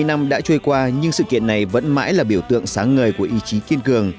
bảy mươi năm đã trôi qua nhưng sự kiện này vẫn mãi là biểu tượng sáng ngời của ý chí kiên cường